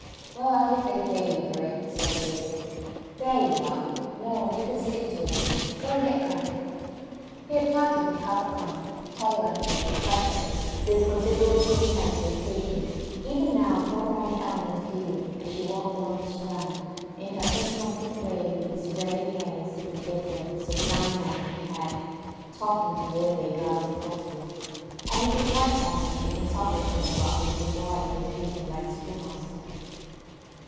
"Well, I hope they pay you for it," said Jacob. "There you are. No. You can stick to it. Go and get drunk." He had parted with half a crown, tolerantly, compassionately, with considerable contempt for his species. Even now poor Fanny Elmer was dealing, as she walked along the Strand, in her incompetent way with this very careless, indifferent, sublime manner he had of talking to railway guards or porters; or Mrs. Whitehorn, when she consulted him about her little boy who was beaten by the schoolmaster.